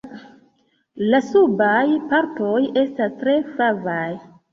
La subaj partoj estas tre flavaj.